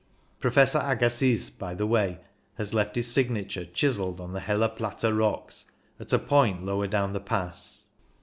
Professor Agassiz, by the way, has left his signature, chiselled on the Helle Platte rocks, at a point lower down the Pass.